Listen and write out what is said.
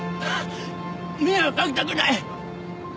迷惑かけたくない！